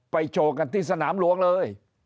โชว์กันที่สนามหลวงเลย